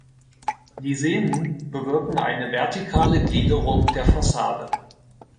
Lisenen bewirken eine vertikale Gliederung der Fassade.